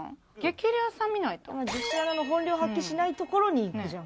女子アナの本領を発揮しないところにいくじゃん。